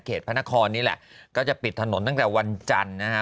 พระนครนี่แหละก็จะปิดถนนตั้งแต่วันจันทร์นะฮะ